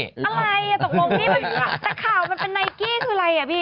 แต่ข่าวมันเป็นไนกี้คืออะไร